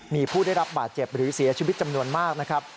มีผู้ได้รับบาดเจ็บหรือเสียชีวิตจำนวนมากนะครับ